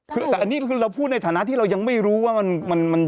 คือแต่อันนี้คือเราพูดในฐานะที่เรายังไม่รู้ว่ามัน